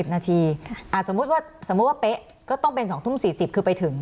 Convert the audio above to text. นาทีสมมุติว่าสมมุติว่าเป๊ะก็ต้องเป็น๒ทุ่ม๔๐คือไปถึง